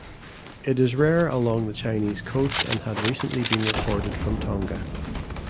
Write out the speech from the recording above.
It is rare along the Chinese coast and had recently been recorded from Tonga.